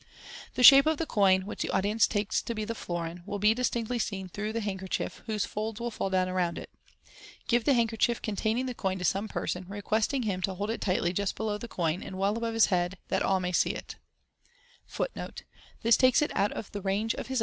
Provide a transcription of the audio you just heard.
The shape of the coin, which the audience take to be the florin, will be distinctly seen through the handkerchief, whose folds will fall down around it. Give the Handkerchief containing the coin to some person, requesting him to hold it tightly 311st below the coin, and well above his head, that 164 MODERN MAGIC.